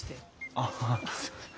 あすいません。